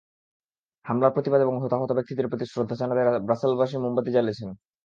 হামলার প্রতিবাদ এবং হতাহত ব্যক্তিদের প্রতি শ্রদ্ধা জানাতে ব্রাসেলসবাসী মোমবাতি জ্বেলেছেন।